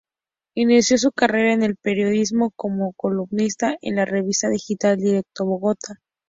Inició su carrera en el periodismo como columnista en la revista digital "Directo Bogotá".